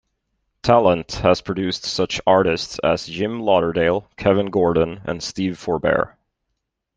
Tallent has produced such artists as Jim Lauderdale, Kevin Gordon, and Steve Forbert.